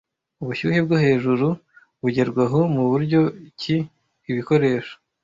Ubushyuhe bwo hejuru bugerwaho muburyo ki ibikoresho